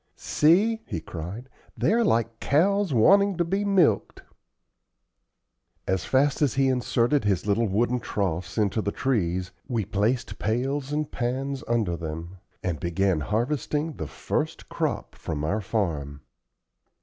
"See," he cried, "they are like cows wanting to be milked." As fast as he inserted his little wooden troughs into the trees, we placed pails and pans under them, and began harvesting the first crop from our farm.